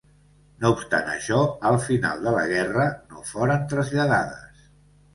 No obstant això, al final de la guerra no foren traslladades.